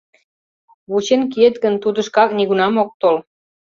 — Вучен киет гын, тудо шкак нигунам ок тол.